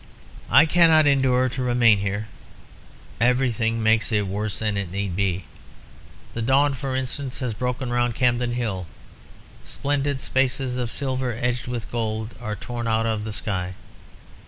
"I cannot endure to remain here. Everything makes it worse than it need be. The dawn, for instance, has broken round Campden Hill; splendid spaces of silver, edged with gold, are torn out of the sky.